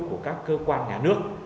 của các cơ quan nhà nước